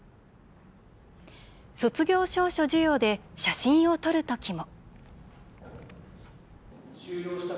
卒業証書授与で写真を撮る時も。